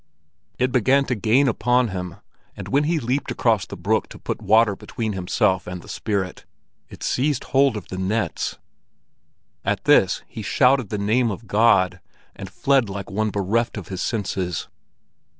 It began to gain upon him, and when he leaped across the brook to put water between himself and the spirit, it seized hold of the nets. At this he shouted the name of God, and fled like one bereft of his senses.